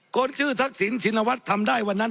คนชื่อทักษิณชินวัฒน์ทำได้วันนั้น